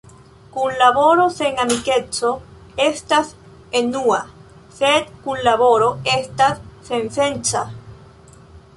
Kunlaboro sen amikeco estas enua, sed kunlaboro estas sensenca.